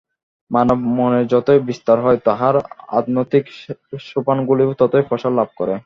মানব-মনের যতই বিস্তার হয়, তাহার আধ্যাত্মিক সোপানগুলিও ততই প্রসার লাভ করে।